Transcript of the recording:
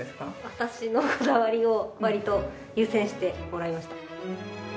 私のこだわりをわりと優先してもらいました。